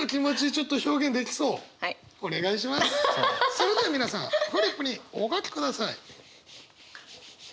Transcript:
それでは皆さんフリップにお書きください。